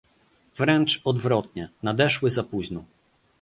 Wręcz odwrotnie, nadeszły za późno